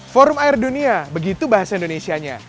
forum air dunia begitu bahasa indonesianya